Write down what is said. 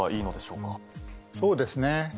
そうですね。